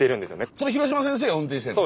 それ廣島先生が運転してるの？